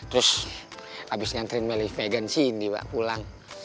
terus abis ngantrin melly vegan sini pak pulang